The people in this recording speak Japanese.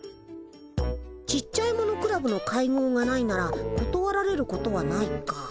ちっちゃいものクラブの会合がないならことわられることはないか。